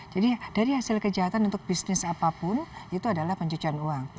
jadi dari hasil kejahatan untuk bisnis apapun itu adalah pencucian uang